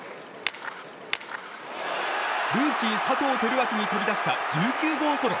ルーキー佐藤輝明に飛び出した１９号ソロ。